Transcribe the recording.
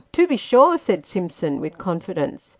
" To be sure," said Simpson, with confidence.